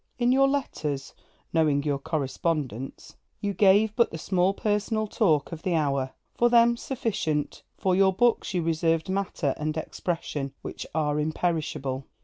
In your letters (knowing your correspondents) you gave but the small personal talk of the hour, for them sufficient; for your books you reserved matter and expression which are imperishable.